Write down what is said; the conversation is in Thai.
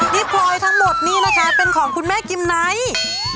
พลอยทั้งหมดนี่นะคะเป็นของคุณแม่กิมไนท์